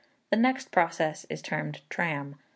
The next process is termed "tram."